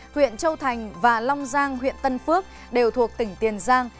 huyện châu thành và long giang huyện tân phước đều thuộc tỉnh tiền giang